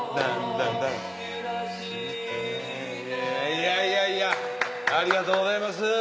いやいやいやありがとうございます。